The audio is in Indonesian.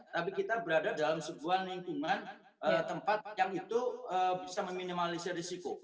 tapi kita berada dalam sebuah lingkungan tempat yang itu bisa meminimalisir risiko